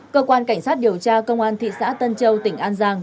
cơ quan cảnh sát điều tra công an thị xã tân châu tỉnh an giang